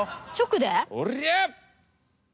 おりゃ！